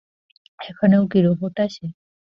এখানেও কি রোবট আসে?